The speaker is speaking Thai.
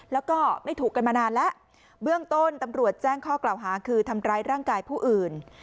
แล้วก็ไม่ถูกกันมานานแล้วเบื้องต้นตำรวจแจ้งข้อกล่าวหาคือทำร้ายร่างกายผู้อื่น